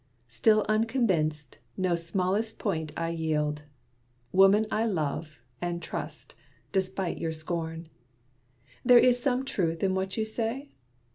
Still unconvinced, no smallest point I yield. Woman I love, and trust, despite your scorn. There is some truth in what you say?